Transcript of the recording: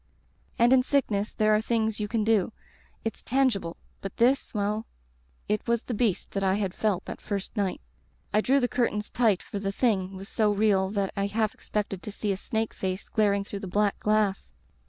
And in sickness there are things you can do; it's tangible — ^but this — ^well, it was the Beast that I had felt that first night. I drew the curtains tight for the Thing was so real that I half expected to see a snake face glaring through the black glass.